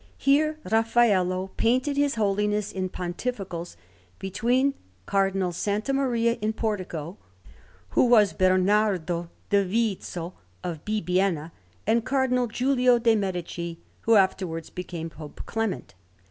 Here Raffaello painted his Holiness in pontificals, between Cardinal Santa Maria in Portico, who was Bernardo Divizio of Bibbiena, and Cardinal Giulio de' Medici, who afterwards became Pope Clement.